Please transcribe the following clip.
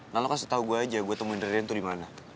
nah lu kasih tau gue aja gue temuin ririn tuh dimana